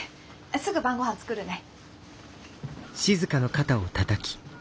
すぐ晩ご飯作るね。